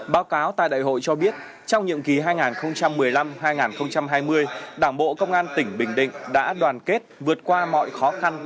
báo cáo tại đại hội cho biết trong nhiệm kỳ hai nghìn một mươi năm hai nghìn hai mươi đảng bộ công an tỉnh bình định đã đoàn kết vượt qua mọi khó khăn